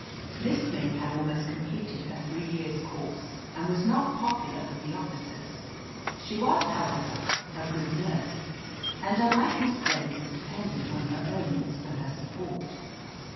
Miss Smith had almost completed her three years' course, and was not popular with the officers. She was, however, a good nurse, and unlike Miss Blake, was dependent on her earnings for her support.